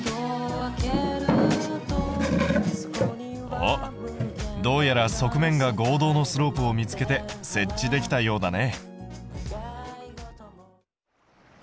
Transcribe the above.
おっどうやら側面が合同のスロープを見つけて設置できたようだね。